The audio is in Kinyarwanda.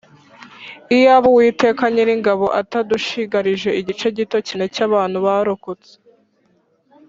Iyaba Uwiteka Nyiringabo atadushigarije igice gito cyane cy’abantu barokotse